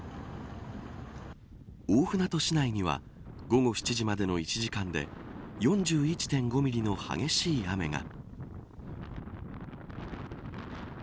大船渡市内には午後７時までの１時間で４１．５ミリの激しい雨が。